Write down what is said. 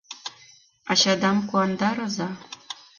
Ачадам куандарыза.